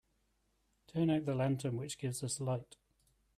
Turn out the lantern which gives us light.